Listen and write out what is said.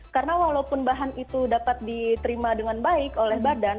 karena walaupun bahan itu dapat diterima dengan baik oleh badan